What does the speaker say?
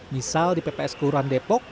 misal di pps kelurahan depok